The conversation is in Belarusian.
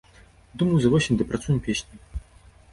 Думаю, за восень дапрацуем песні.